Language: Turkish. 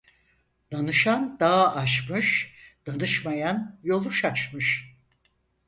Danışan dağı aşmış, danışmayan yolu şaşmış.